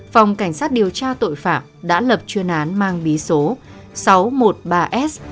phòng cảnh sát điều tra tội phạm đã lập chuyên án mang bí số sáu trăm một mươi ba s